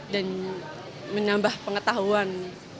dan menambah pengetahuan